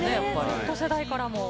Ｚ世代からも。